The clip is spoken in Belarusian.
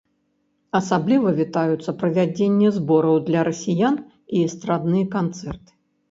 Асабліва вітаюцца правядзенні збораў для расіян і эстрадныя канцэрты.